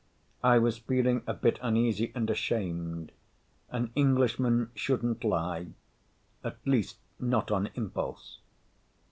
I was feeling a bit uneasy and ashamed. An Englishman shouldn't lie, at least not on impulse.